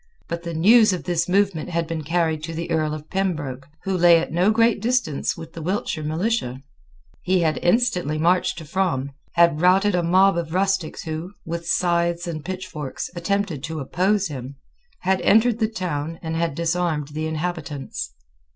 But the news of this movement had been carried to the Earl of Pembroke, who lay at no great distance with the Wiltshire militia. He had instantly marched to Frome, had routed a mob of rustics who, with scythes and pitchforks, attempted to oppose him, had entered the town and had disarmed the inhabitants.